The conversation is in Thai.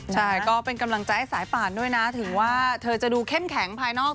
ใช่ก็เป็นกำลังใจให้สายป่านด้วยนะถึงว่าเธอจะดูเข้มแข็งภายนอก